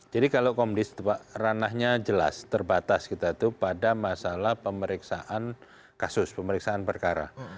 jadi kalau komdis pak ranahnya jelas terbatas kita itu pada masalah pemeriksaan kasus pemeriksaan perkara